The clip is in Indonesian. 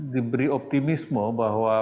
diberi optimismo bahwa